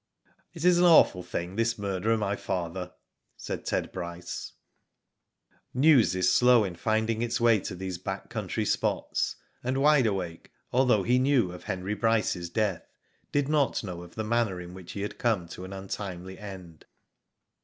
" It IS an awful thing this murder of my father," said Ted Bryce. Digitized byGoogk MUNDA. 45 News is slow in finding its way to these back country spots, and Wide Awake, although he knew of Henry Bryce's death, did not know of the manner in which he had come to an untimely end.